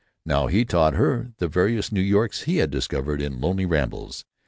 Now he taught her the various New Yorks he had discovered in lonely rambles.